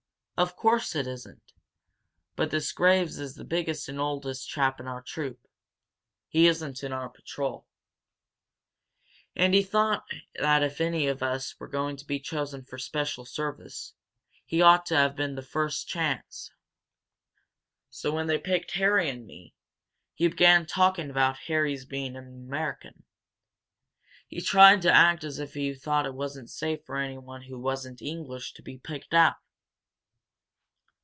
"Of course it isn't! But this Graves is the biggest and oldest chap in our troop he isn't in our patrol. And he thought that if any of us were going to be chosen for special service, he ought to have the first chance. So when they picked Harry and me, he began talking about Harry's being an American. He tried to act as if he thought it wasn't safe for anyone who wasn't English to be picked out!"